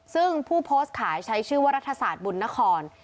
ซึ่งผู้โพสต์ขายใช้ชื่อว่ารัฐศาสตร์บุญนคร